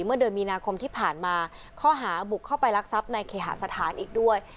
เมื่อเดือนมีนาคมที่ผ่านมาข้อหาบุกเข้าไปรักทรัพย์ในเคหาสถานอีกด้วย